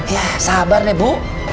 ya sabar deh bu